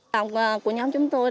tổng của nhóm chúng tôi